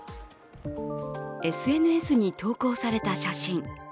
ＳＮＳに投稿された写真。